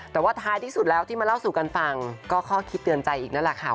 แต่ว่าท้ายที่สุดแล้วที่มาเล่าสู่กันฟังก็ข้อคิดเตือนใจอีกนั่นแหละค่ะ